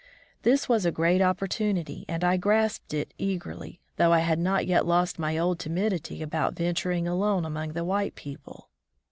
This was a great opportunity, and I grasped it eagerly, though I had not yet lost my old timidity about venturing alone among the white people.